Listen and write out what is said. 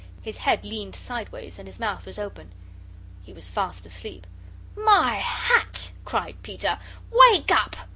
His head leaned sideways, and his mouth was open. He was fast asleep. "My hat!" cried Peter; "wake up!"